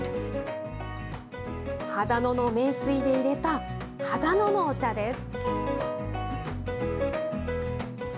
秦野の名水でいれた秦野のお茶です。